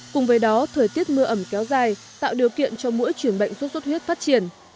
cùng với đó thời tiết mưa ẩm kéo dài tạo điều kiện cho mỗi chuyển bệnh sốt xuất huyết phát triển